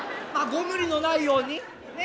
ご無理のないように。